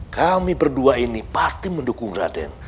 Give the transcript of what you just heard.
kami berdua ini pasti mendukung raden